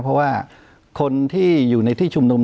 เพราะว่าคนที่อยู่ในที่ชุมนุม